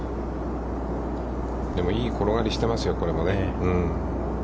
でも、いい転がりをしてますよ、これもね。